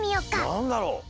なんだろ？